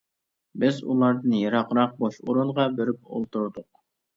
بىز ئۇلاردىن يىراقراق بوش ئورۇنغا بېرىپ ئولتۇردۇق.